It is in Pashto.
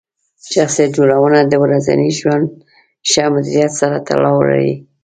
شخصیت جوړونه د ورځني ژوند ښه مدیریت سره تړاو لري.